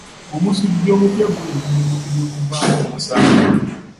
Omusujja omupya guleetera omubiri okuvaamu omusaayi.